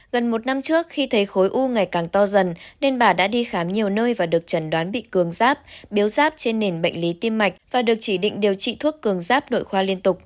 gần một năm trước khi thấy khối u ngày càng to dần nên bà đã đi khám nhiều nơi và được chẩn đoán bị cường giáp biếu giáp trên nền bệnh lý tim mạch và được chỉ định điều trị thuốc cường giáp nội khoa liên tục